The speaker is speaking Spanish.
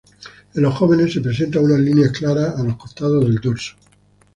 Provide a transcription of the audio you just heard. En los jóvenes se presentan unas líneas claras a los costados del dorso.